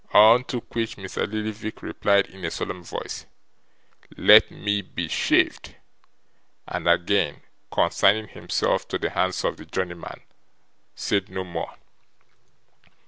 Unto which Mr. Lillyvick replied in a solemn voice, 'Let me be shaved!' and again consigning himself to the hands of the journeyman, said no more.